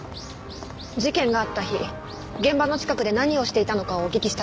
事件があった日現場の近くで何をしていたのかをお聞きしたくて。